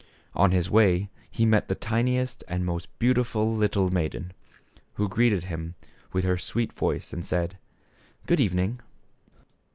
On his way he met the tiniest and most beautiful little maiden, who greeted him with her sweet voice and said, " Good evening